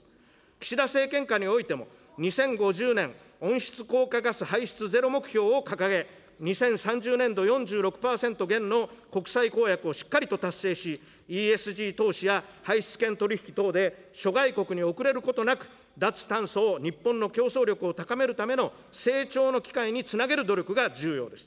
岸田政権下においても、２０５０年、温室効果ガス排出ゼロ目標を掲げ、２０３０年度４６％減の国際公約をしっかりと達成し、ＥＳＧ投資や排出権取引等で諸外国に遅れることなく、脱炭素を日本の競争力を高めるための成長の機会につなげる努力が重要です。